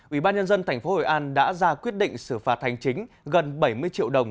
ủy ban nhân dân tp hội an đã ra quyết định xử phạt hành chính gần bảy mươi triệu đồng